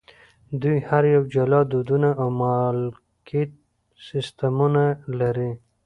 دوی هر یو جلا دودونه او مالکیت سیستمونه لري.